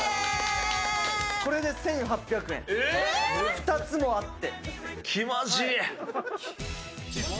２つもあって。